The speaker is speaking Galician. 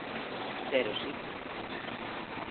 Pero si.